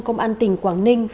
công an tỉnh quảng ninh